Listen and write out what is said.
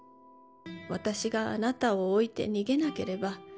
「私があなたをおいて逃げなければ」